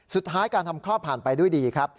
สุดท้ายการทำคลอดผ่านไปด้วยดีครับ